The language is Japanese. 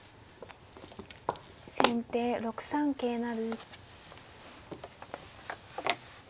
先手６三桂成。